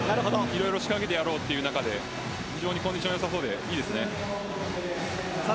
色々、仕掛けていこうという中でコンディションがよさそうでいいですね。